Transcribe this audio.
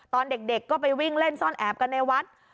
ตอนเด็กก็ไปวิ่งเล่นซ่อนแอบกันในวัด